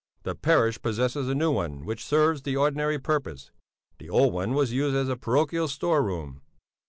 The parish possesses a new one which serves the ordinary purpose; the old one was used as a parochial store room.